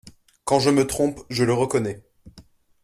Quand je me trompe, je le reconnais.